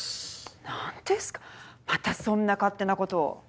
何ですかまたそんな勝手なことを。